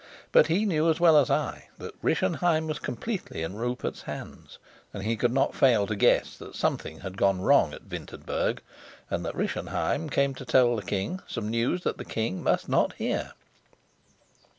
But he knew as well as I that Rischenheim was completely in Rupert's hands, and he could not fail to guess that something had gone wrong at Wintenberg, and that Rischenheim came to tell the king some news that the king must not hear.